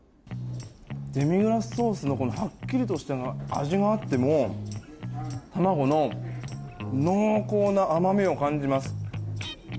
デミグラスソースのはっきりとした味がなくても卵の濃厚な甘みを感じます。